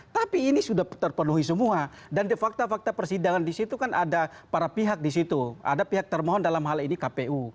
tapi ini sudah terpenuhi semua dan de facto fakta persidangan disitu kan ada para pihak disitu ada pihak termohon dalam hal ini kpu